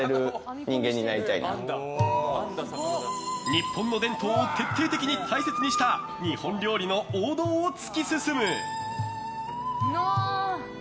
日本の伝統を徹底的に大切にした日本料理の王道を突き進む。